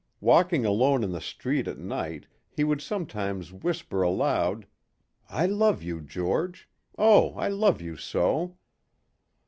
Walking alone in the street at night he would sometimes whisper aloud, "I love you, George. Oh, I love you so."